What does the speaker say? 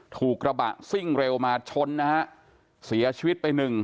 ถูกกระบะซิ่งเร็วมาชนนะฮะเสียชีวิตไปหนึ่ง